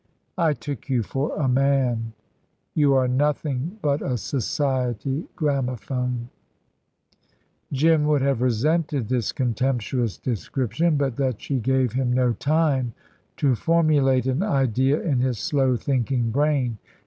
"I took you for a man: you are nothing but a society gramophone." Jim would have resented this contemptuous description, but that she gave him no time to formulate an idea in his slow thinking brain.